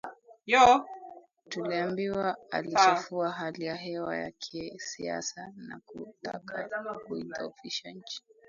Tuliambiwa aliichafua hali ya hewa ya kisiasa na kutaka kuidhoofisha nchi